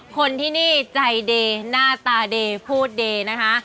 คนที่นี่ใจดีหน้าตาดีพูดดีนะคะ